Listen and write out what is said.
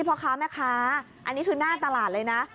พ่อค้าแม่ค้าอันนี้คือหน้าตลาดเลยนะ